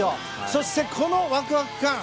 そして、このワクワク感